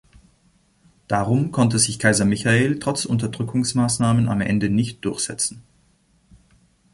Darum konnte sich Kaiser Michael trotz Unterdrückungsmaßnahmen am Ende nicht durchsetzen.